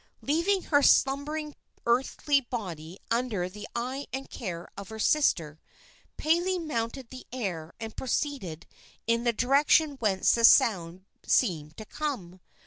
Leaving her slumbering earthly body under the eye and care of her sister, Pele mounted the air and proceeded in the direction whence the sound seemed to come.